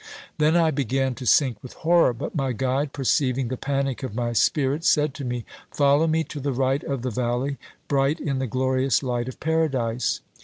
Then I began to sink with horror; but my guide perceiving the panic of my spirit, said to me, 'Follow me to the right of the valley, bright in the glorious light of Paradise.'